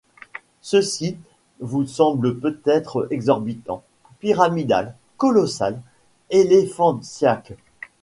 Ceci vous semble peut-être exorbitant, pyramidal, colossal, éléphantiaque !